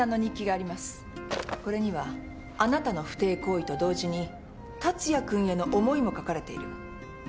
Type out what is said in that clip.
これにはあなたの不貞行為と同時に達也君への思いも書かれている。